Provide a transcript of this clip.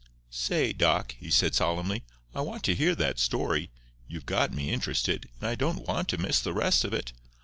"Say, Doc," he said, solemnly, "I want to hear that story. You've got me interested; and I don't want to miss the rest of it.